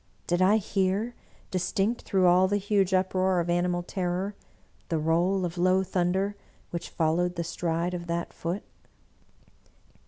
Did I hear, distinct through all the huge uproar of animal ter ror, the roll of low thunder which followed the stride of that Foot?